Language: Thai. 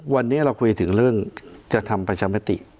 วันนี้เราคุยถึงเรื่องจะทำประชามติ